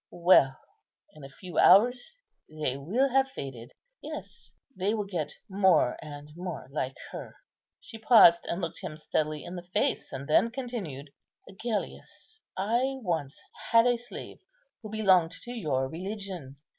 Well, in a few hours they will have faded; yes, they will get more and more like her." She paused and looked him steadily in the face, and then continued: "Agellius, I once had a slave who belonged to your religion.